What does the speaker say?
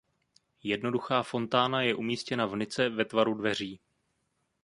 Jednoduchá fontána je umístěna v nice ve tvaru dveří.